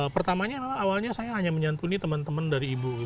pertamanya memang awalnya saya hanya menyantuni teman teman dari ibu